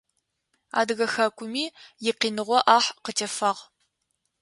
Адыгэ хэкуми икъиныгъо ӏахь къытефагъ.